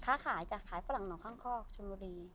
ค้าขายจ้ะขายฝรั่งหนองข้างคอกชนบุรี